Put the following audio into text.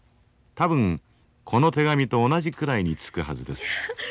多分この手紙と同じくらいに着くはずです」。